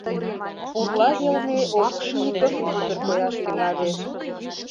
Пурла велне Овчинников кутыр кояш тӱҥале.